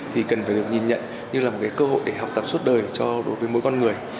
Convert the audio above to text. thì cần phải được nhìn nhận như là một cơ hội để học tập suốt đời cho đối với mỗi con người